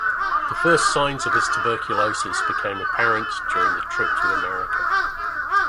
The first signs of his tuberculosis became apparent during the trip to America.